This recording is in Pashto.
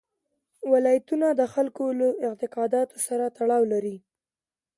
ولایتونه د خلکو له اعتقاداتو سره تړاو لري.